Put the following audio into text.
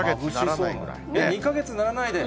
２か月にならないで？